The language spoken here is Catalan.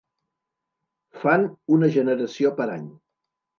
Fan una generació per any.